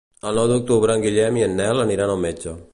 El nou d'octubre en Guillem i en Nel aniran al metge.